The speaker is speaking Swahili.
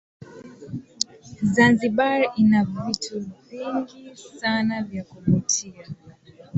Zanzibar ina vitu vingi sana vya kuvutia